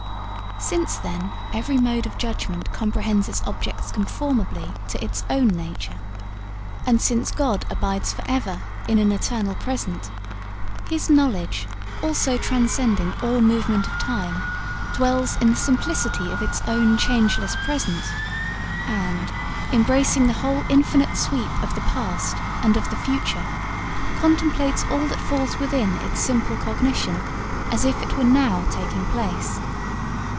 'Since, then, every mode of judgment comprehends its objects conformably to its own nature, and since God abides for ever in an eternal present, His knowledge, also transcending all movement of time, dwells in the simplicity of its own changeless present, and, embracing the whole infinite sweep of the past and of the future, contemplates all that falls within its simple cognition as if it were now taking place.